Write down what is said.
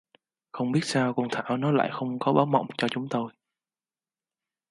Không biết Sao con Thảo nó lại không có báo mộng cho chúng tôi